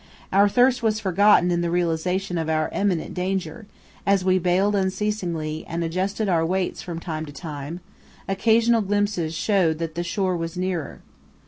Our thirst was forgotten in the realization of our imminent danger, as we baled unceasingly, and adjusted our weights from time to time; occasional glimpses showed that the shore was nearer.